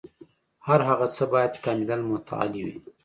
هر هغه څه باید کاملاً متعالي وي.